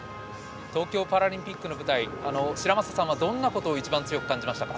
東京パラリンピックの舞台白砂さんはどんなことを一番強く感じましたか。